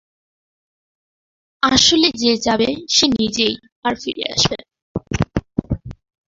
আসলে যে যাবে সে নিজেই আর ফিরে আসবে না।